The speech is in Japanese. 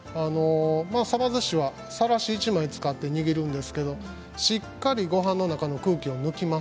さばずしはさらし１枚使って握るんですけどしっかりごはんの中の空気を抜きます。